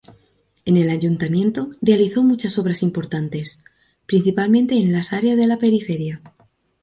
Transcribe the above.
En el ayuntamiento, realizó muchas obras importantes, principalmente en las áreas de la periferia.